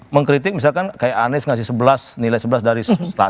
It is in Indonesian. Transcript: mengkritik misalkan kayak anies ngasih sebelas nilai sebelas dari seratus